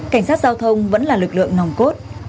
cảnh sát giao thông vẫn là lực lượng nòng cốt